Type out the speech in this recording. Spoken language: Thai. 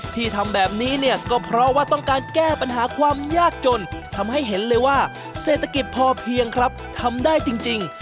ที่ทำแบบนี้เนี่ยก็เพราะว่าต้องการแก้ปัญหาความยากจนทำให้เห็นเลยว่าเศรษฐกิจพอเพียงครับทำได้จริง